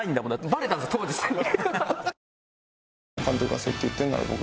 バレたんです当時それが。